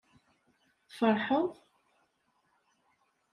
Tferḥeḍ?